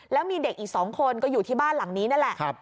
แล้วมีเด็กอีก๒คนก็อยู่ที่บ้านหลังนี้นั่นแหละ